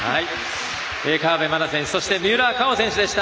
河辺愛菜選手そして三浦佳生選手でした。